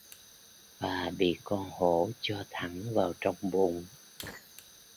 Và bị con hổ cho thẳng vào trong bụng